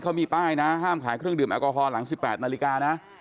เขามีป้ายนะห้ามขายเครื่องดื่มแอลกอฮอลหลัง๑๘นาฬิกานะ